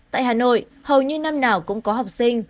tại hà nội hầu như năm nào cũng có học sinh